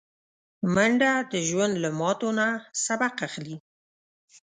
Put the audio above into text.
منډه د ژوند له ماتو نه سبق اخلي